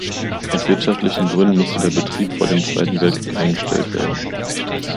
Aus wirtschaftlichen Gründen musste der Betrieb vor dem Zweiten Weltkrieg eingestellt werden.